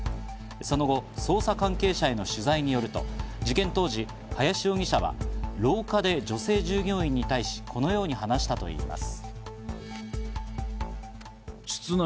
その後、捜査関係者への取材によると、事件当時、林容疑者は廊下で女性従業員に対しこのように話したといいます。